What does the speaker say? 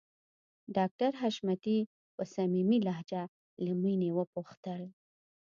ډاکټر حشمتي په صميمي لهجه له مينې وپوښتل